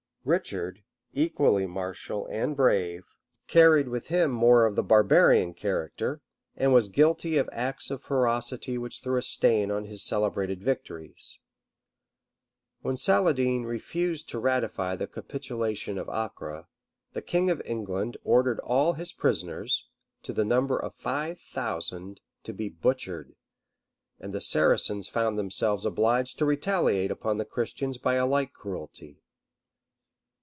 Richard, equally martial and brave, carried with him more of the barbarian character, and was guilty of acts of ferocity which threw a stain on his celebrated victories. When Saladin refused to ratify the capitulation of Acre, the king of England ordered all his prisoners, to the number of five thousand, to be butchered; and the Saracens found themselves obliged to retaliate upon the Christians by a like cruelty.